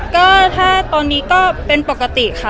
ก็ถ้าตอนนี้ก็เป็นปกติค่ะ